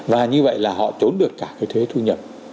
và như vậy là họ trốn được cả cái thuế thu nhập